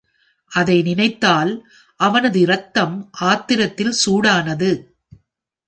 அதை நினைத்தால் அவனது இரத்தம் ஆத்திரத்தில் சூடானது.